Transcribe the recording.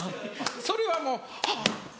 それはもう「はっ」。